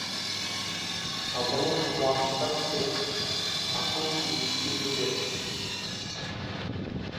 Сабырлық қуанышқа жетер, ашу күйінішке кетер.